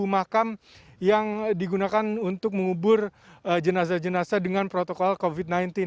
dua puluh makam yang digunakan untuk mengubur jenazah jenazah dengan protokol covid sembilan belas